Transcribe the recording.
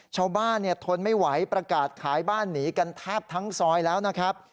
ทนไม่ไหวประกาศขายบ้านหนีกันแทบทั้งซอยแล้วนะครับ